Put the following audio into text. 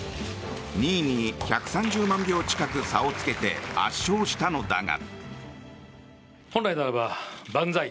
２位に１３０万票近く差をつけて圧勝したのだが。